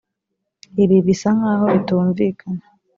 ibi bisa nkaho bitumvikana.